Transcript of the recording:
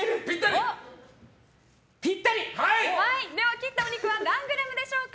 切ったお肉は何グラムでしょうか。